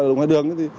ở ngoài đường